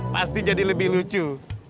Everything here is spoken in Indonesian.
pasti jadi lebih lucu